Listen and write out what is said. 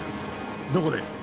どこで？